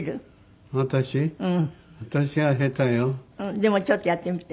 でもちょっとやってみて。